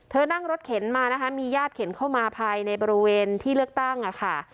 นั่งรถเข็นมานะคะมีญาติเข็นเข้ามาภายในบริเวณที่เลือกตั้งค่ะ